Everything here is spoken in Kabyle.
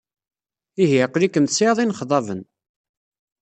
Ihi, aql-ikem tesɛid inexḍaben.